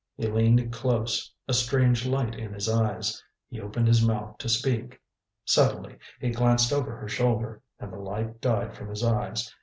He leaned close, a strange light in his eyes. He opened his mouth to speak. Suddenly he glanced over her shoulder, and the light died from his eyes.